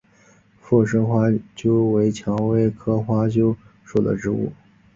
附生花楸为蔷薇科花楸属的植物。